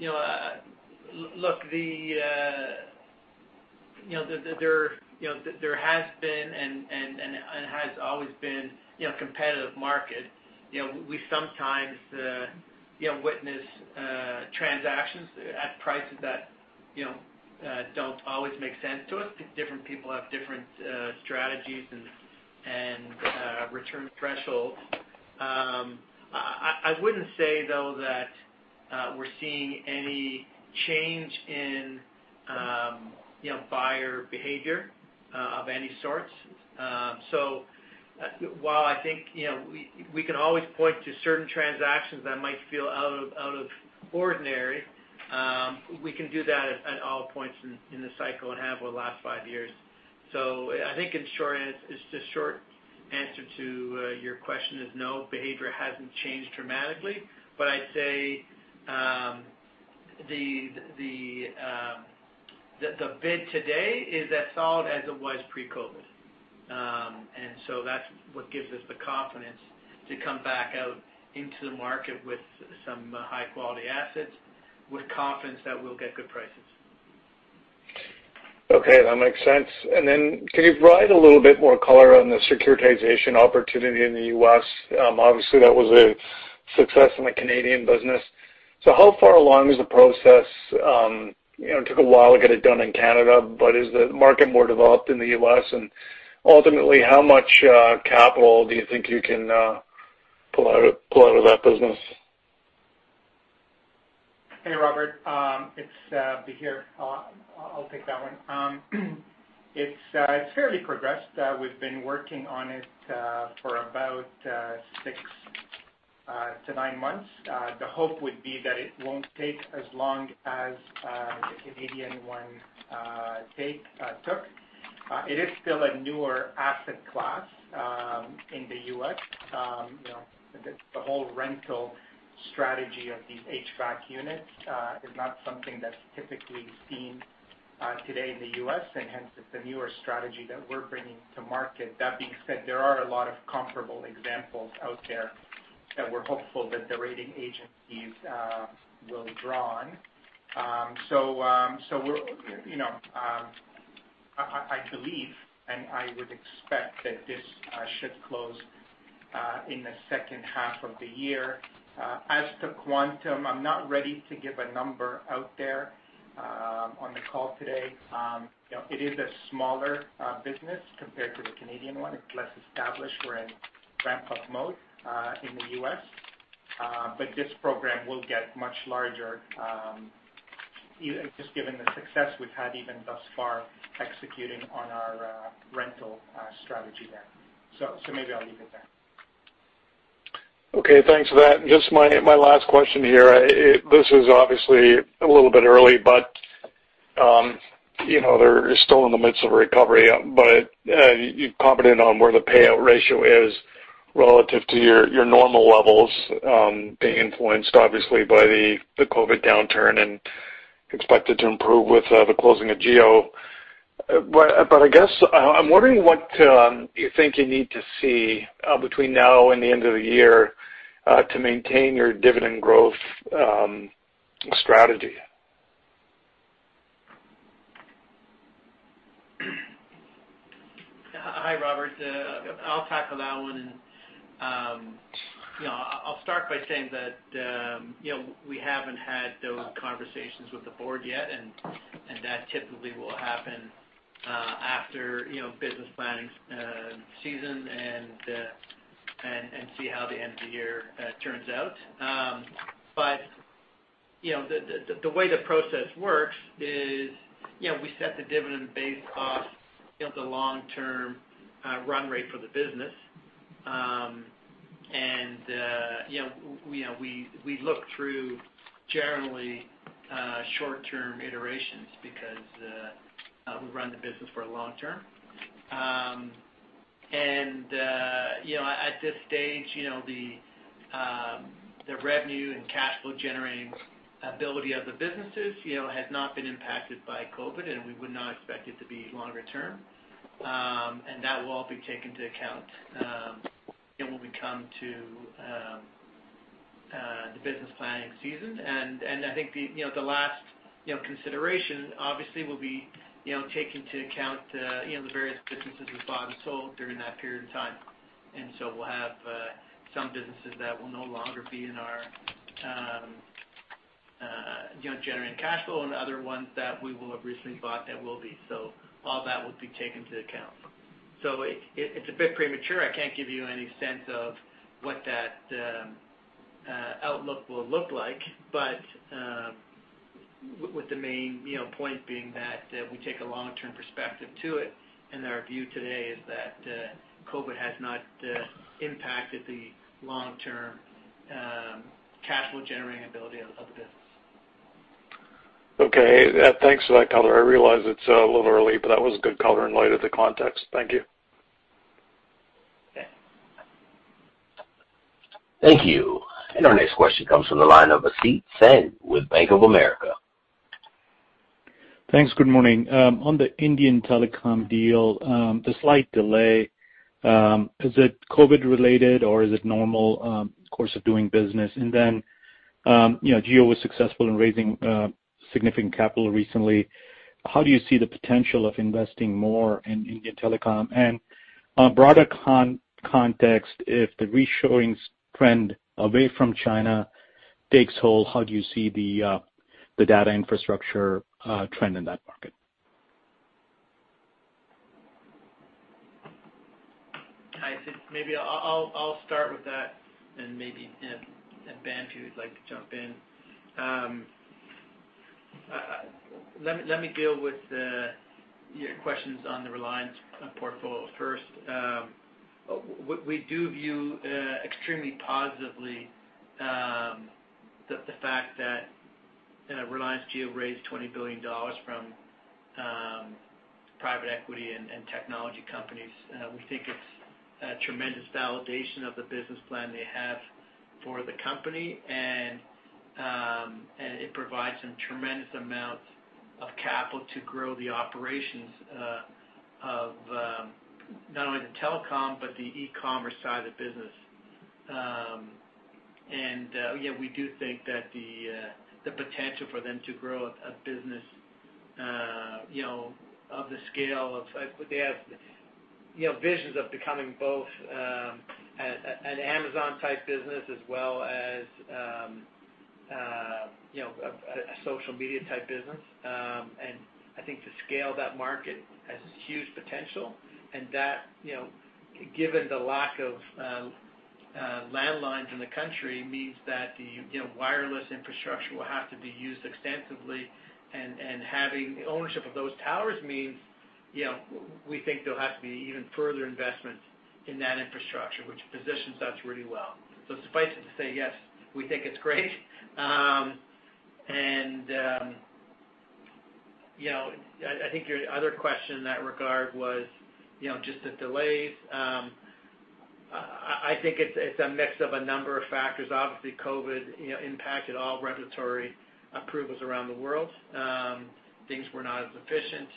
Look, there has been and has always been competitive market. We sometimes witness transactions at prices that don't always make sense to us. Different people have different strategies and return thresholds. I wouldn't say, though, that we're seeing any change in buyer behavior of any sorts. While I think we can always point to certain transactions that might feel out of ordinary, we can do that at all points in the cycle and have over the last five years. I think the short answer to your question is no, behavior hasn't changed dramatically. I'd say the bid today is as solid as it was pre-COVID. That's what gives us the confidence to come back out into the market with some high-quality assets with confidence that we'll get good prices. Okay. That makes sense. Could you provide a little bit more color on the securitization opportunity in the U.S.? Obviously, that was a success in the Canadian business. How far along is the process? It took a while to get it done in Canada, but is the market more developed in the U.S.? Ultimately, how much capital do you think you can pull out of that business? Hey, Robert. It's Bahir. I'll take that one. It's fairly progressed. We've been working on it for about six to nine months. The hope would be that it won't take as long as the Canadian one took. It is still a newer asset class in the U.S. The whole rental strategy of these HVAC units is not something that's typically seen today in the U.S., and hence it's a newer strategy that we're bringing to market. That being said, there are a lot of comparable examples out there that we're hopeful that the rating agencies will draw on. I believe, and I would expect that this should close in the second half of the year. As to quantum, I'm not ready to give a number out there on the call today. It is a smaller business compared to the Canadian one. It's less established. We're in ramp-up mode in the U.S. This program will get much larger just given the success we've had even thus far executing on our rental strategy there. Maybe I'll leave it there. Okay. Thanks for that. Just my last question here. This is obviously a little bit early, but they're still in the midst of a recovery, but you've commented on where the payout ratio is relative to your normal levels being influenced, obviously, by the COVID downturn and expected to improve with the closing of Jio. I guess, I'm wondering what you think you need to see between now and the end of the year to maintain your dividend growth strategy. Hi, Robert. I'll tackle that one. I'll start by saying that we haven't had those conversations with the board yet, and that typically will happen after business planning season and see how the end of the year turns out. The way the process works is, we set the dividend base off the long-term run rate for the business. We look through generally short-term iterations because we run the business for the long term. At this stage, the revenue and cash flow-generating ability of the businesses has not been impacted by COVID, and we would not expect it to be longer term. That will all be taken into account when we come to the business planning season. I think the last consideration obviously will be taking into account the various businesses we've bought and sold during that period of time. We'll have some businesses that will no longer be in our generating cash flow and other ones that we will have recently bought that will be. All that will be taken into account. It's a bit premature. I can't give you any sense of what that outlook will look like. With the main point being that we take a long-term perspective to it, and our view today is that COVID has not impacted the long-term cash flow-generating ability of the business. Okay. Thanks for that color. I realize it's a little early. That was a good color in light of the context. Thank you. Yeah. Thank you. Our next question comes from the line of Asit Sen with Bank of America. Thanks. Good morning. On the Indian telecom deal, the slight delay, is it COVID related or is it normal course of doing business? Jio was successful in raising significant capital recently. How do you see the potential of investing more in Indian telecom? Broader context, if the reshoring trend away from China takes hold, how do you see the data infrastructure trend in that market? Asit, maybe I'll start with that, and maybe, Ben, if you would like to jump in. Let me deal with your questions on the Reliance portfolio first. We do view extremely positively the fact that Reliance Jio raised $20 billion from private equity and technology companies. We think it's a tremendous validation of the business plan they have for the company, and it provides them tremendous amounts of capital to grow the operations of not only the telecom but the e-commerce side of the business. Yeah, we do think that the potential for them to grow a business. They have visions of becoming both an Amazon-type business as well as a social media-type business. I think the scale of that market has huge potential, and that, given the lack of landlines in the country, means that the wireless infrastructure will have to be used extensively, and having ownership of those towers means we think there'll have to be even further investment in that infrastructure, which positions us really well. Suffice it to say, yes, we think it's great. I think your other question in that regard was just the delays. I think it's a mix of a number of factors. Obviously, COVID impacted all regulatory approvals around the world. Things were not as efficient.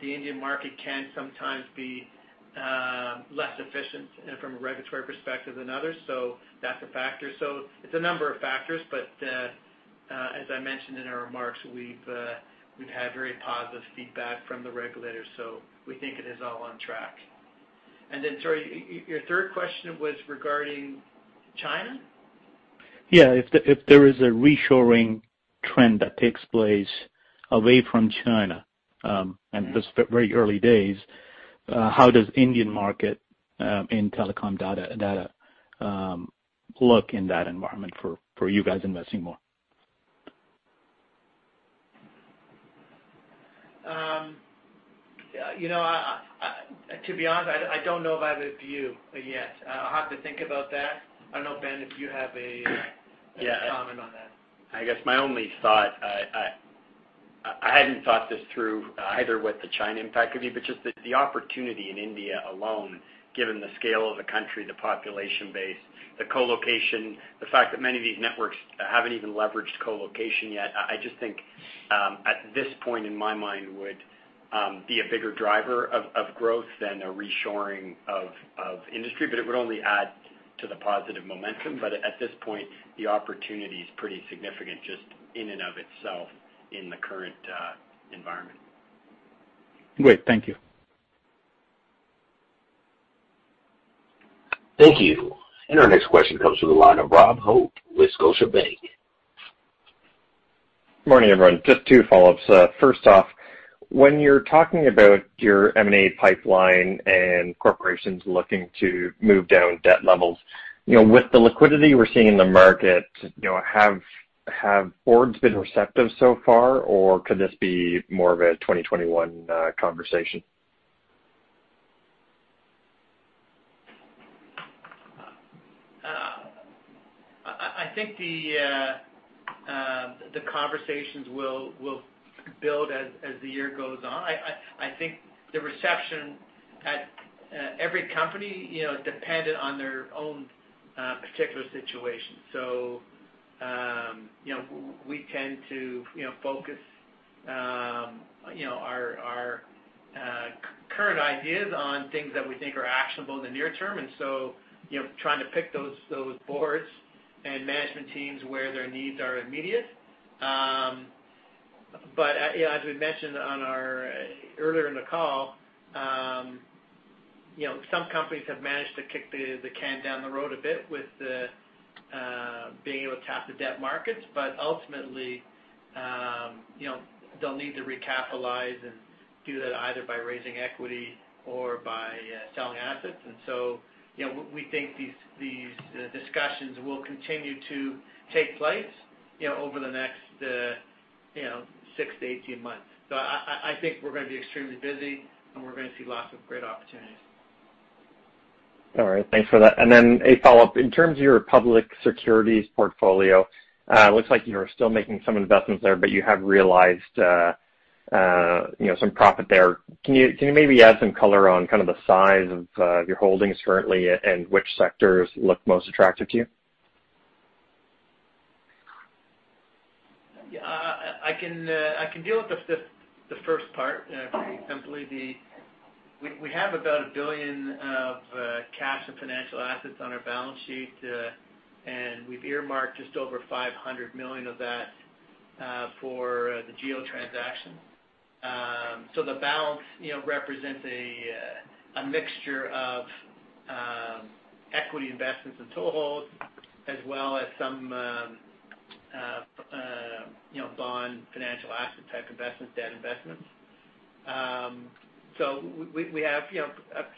The Indian market can sometimes be less efficient from a regulatory perspective than others. That's a factor. It's a number of factors, but as I mentioned in our remarks, we've had very positive feedback from the regulators, so we think it is all on track. Sorry, your third question was regarding China? Yeah. If there is a reshoring trend that takes place away from China, and this is very early days, how does Indian market in telecom data look in that environment for you guys investing more? To be honest, I don't know if I have a view yet. I'll have to think about that. I don't know, Ben, if you have a comment on that? I guess my only thought, I hadn't thought this through either what the China impact could be, but just the opportunity in India alone, given the scale of the country, the population base, the colocation, the fact that many of these networks haven't even leveraged colocation yet. I just think, at this point in my mind would be a bigger driver of growth than a reshoring of industry, but it would only add to the positive momentum. At this point, the opportunity is pretty significant just in and of itself in the current environment. Great. Thank you. Thank you. Our next question comes from the line of Rob Hope with Scotiabank. Morning, everyone. Just two follow-ups. First off, when you're talking about your M&A pipeline and corporations looking to move down debt levels, with the liquidity we're seeing in the market, have boards been receptive so far, or could this be more of a 2021 conversation? I think the conversations will build as the year goes on. I think the reception at every company is dependent on their own particular situation. We tend to focus our current ideas on things that we think are actionable in the near term, and so trying to pick those boards and management teams where their needs are immediate. As we mentioned earlier in the call, some companies have managed to kick the can down the road a bit with being able to tap the debt markets. Ultimately, they'll need to recapitalize and do that either by raising equity or by selling assets. We think these discussions will continue to take place over the next 6-18 months. I think we're going to be extremely busy, and we're going to see lots of great opportunities. All right. Thanks for that. Then a follow-up, in terms of your public securities portfolio, looks like you're still making some investments there, but you have realized some profit there. Can you maybe add some color on kind of the size of your holdings currently and which sectors look most attractive to you? Yeah. I can deal with the first part. Very simply, we have about $1 billion of cash and financial assets on our balance sheet, and we've earmarked just over $500 million of that for the Jio transaction. The balance represents a mixture of equity investments and tool holds, as well as some bond financial asset-type investments, debt investments. We have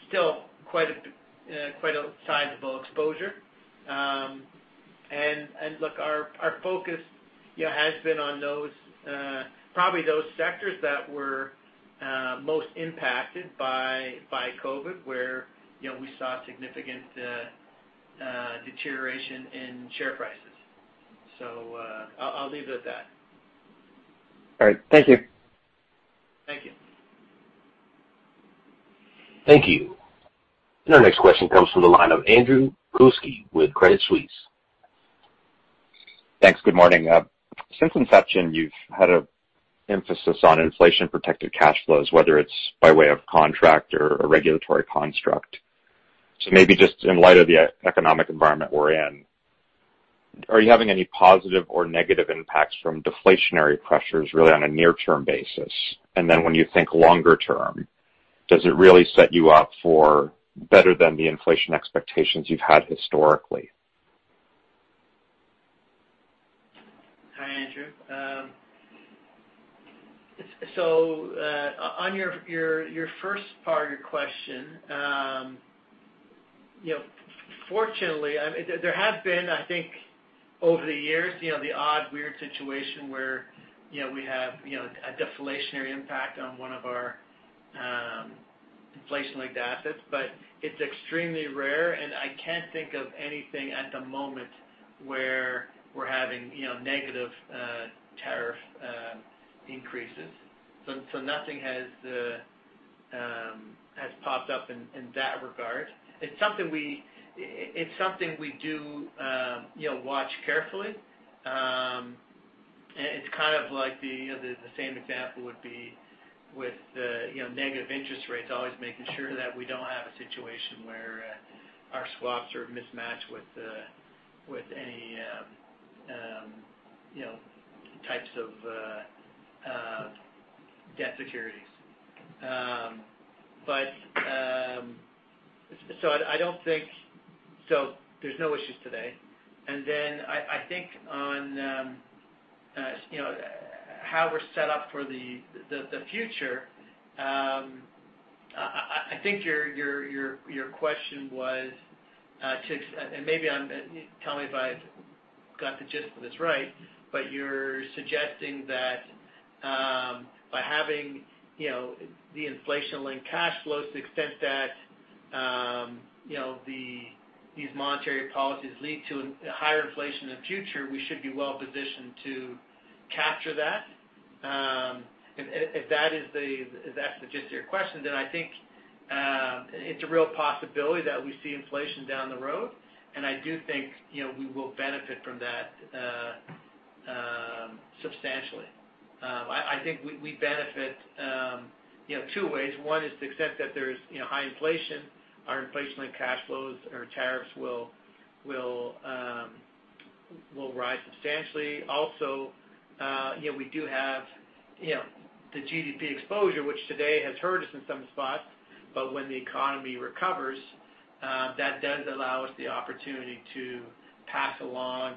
still quite a sizable exposure. Look, our focus has been on probably those sectors that were most impacted by COVID, where we saw significant deterioration in share prices. I'll leave it at that. All right. Thank you. Thank you. Thank you. Our next question comes from the line of Andrew Kuske with Credit Suisse. Thanks. Good morning. Since inception, you've had an emphasis on inflation-protected cash flows, whether it's by way of contract or a regulatory construct. Maybe just in light of the economic environment we're in, are you having any positive or negative impacts from deflationary pressures, really on a near-term basis? When you think longer term, does it really set you up for better than the inflation expectations you've had historically? Hi, Andrew. On your first part of your question, fortunately, there have been, I think, over the years, the odd weird situation where we have a deflationary impact on one of our inflation-linked assets, but it's extremely rare, and I can't think of anything at the moment where we're having negative tariff increases. Nothing has popped up in that regard. It's something we do watch carefully. It's kind of like the same example would be with negative interest rates, always making sure that we don't have a situation where our swaps are mismatched with any types of debt securities. There's no issues today. I think on how we're set up for the future, I think your question was to tell me if I've got the gist of this right, but you're suggesting that by having the inflation-linked cash flows to the extent that these monetary policies lead to higher inflation in the future, we should be well-positioned to capture that? If that's the gist of your question, then I think it's a real possibility that we see inflation down the road, and I do think we will benefit from that substantially. I think we benefit two ways. One is to the extent that there's high inflation, our inflation and cash flows or tariffs will rise substantially. We do have the GDP exposure, which today has hurt us in some spots, but when the economy recovers, that does allow us the opportunity to pass along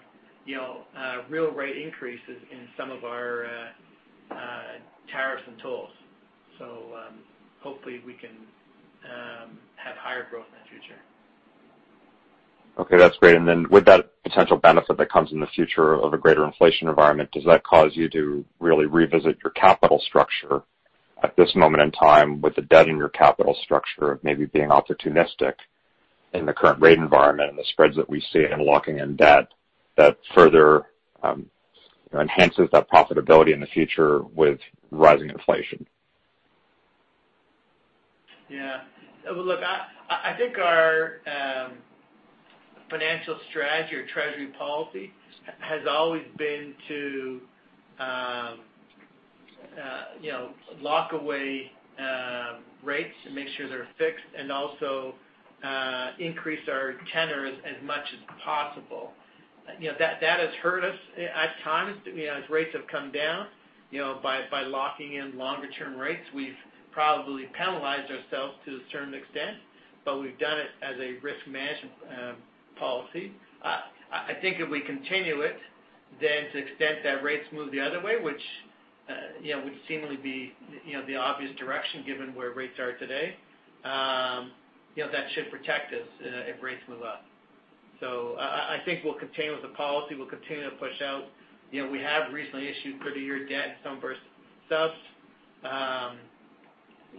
real rate increases in some of our tariffs and tolls. Hopefully we can have higher growth in the future. Okay, that's great. With that potential benefit that comes in the future of a greater inflation environment, does that cause you to really revisit your capital structure at this moment in time with the debt in your capital structure of maybe being opportunistic in the current rate environment and the spreads that we see in locking in debt that further enhances that profitability in the future with rising inflation? Yeah. Look, I think our financial strategy or treasury policy has always been to lock away rates and make sure they're fixed and also increase our tenors as much as possible. That has hurt us at times, as rates have come down. By locking in longer-term rates, we've probably penalized ourselves to a certain extent, but we've done it as a risk management policy. I think if we continue it, then to the extent that rates move the other way, which would seemingly be the obvious direction given where rates are today, that should protect us if rates move up. I think we'll continue with the policy. We'll continue to push out. We have recently issued perpetual debt, [some first subs].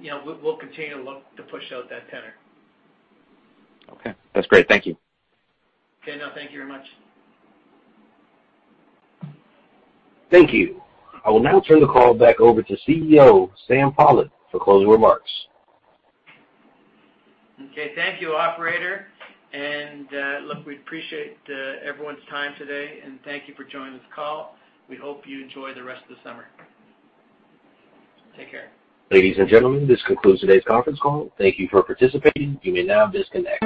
We'll continue to look to push out that tenor. Okay. That's great. Thank you. Okay, thank you very much. Thank you. I will now turn the call back over to CEO, Sam Pollock, for closing remarks. Okay. Thank you, operator. Look, we appreciate everyone's time today, and thank you for joining this call. We hope you enjoy the rest of the summer. Take care. Ladies and gentlemen, this concludes today's conference call. Thank you for participating. You may now disconnect.